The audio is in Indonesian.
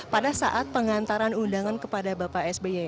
pada saat pengantaran undangan kepada bapak sby